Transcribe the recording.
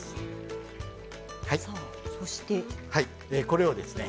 これをですね